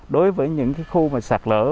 đối với những khu sạt lở